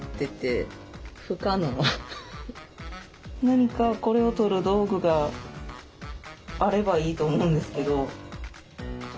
何かこれを取る道具があればいいと思うんですけど。